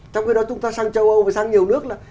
trong khi đó chúng ta sang châu âu phải sang nhiều nước là